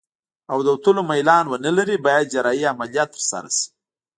او د وتلو میلان ونلري باید جراحي عملیه ترسره شي.